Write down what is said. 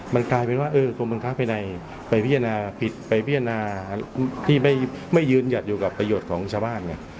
มันกลายเป็นว่ากรมบังคับภายในไปพิจารณาผิดไปพิจารณาที่ไม่ยืนหยัดอยู่กับประโยชน์ของชาวบ้านไง